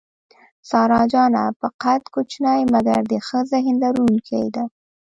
سارا جانه په قد کوچنۍ مګر د ښه ذهن لرونکې ده.